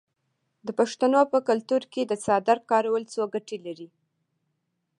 د پښتنو په کلتور کې د څادر کارول څو ګټې لري.